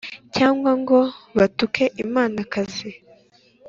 Cyangwa ngo batuke imanakazi yacu